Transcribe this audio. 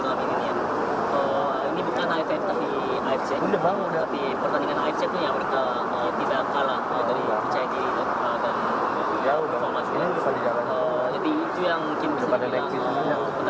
larga selanjutnya dari konsen untuk pakula indonesia